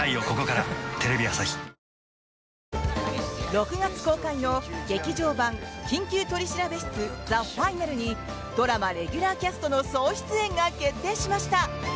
６月公開の劇場版「緊急取調室ＴＨＥＦＩＮＡＬ」にドラマレギュラーキャストの総出演が決定しました。